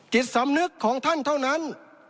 จิตสำนึกของท่านเท่านั้น